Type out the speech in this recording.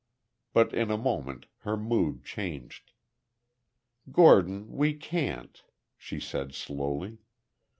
But in a moment her mood changed. "Gordon, we can't," she said, slowly.